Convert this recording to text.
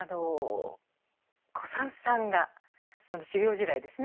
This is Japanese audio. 小さんさんが修業時代ですね